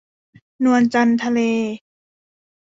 นวลจันทร์ทะเล